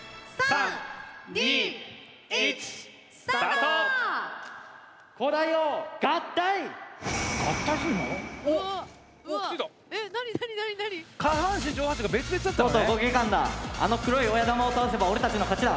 あの黒い親玉を倒せば俺たちの勝ちだ。